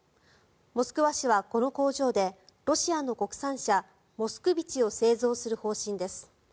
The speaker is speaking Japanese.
モスクワ市はこの工場でロシアの国産車、モスクビチを製造する方針です。